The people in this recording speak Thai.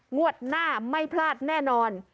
งวดหน้าไม่พลาดแน่นอน